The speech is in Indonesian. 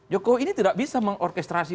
jokowi ini tidak bisa mengorkestrasi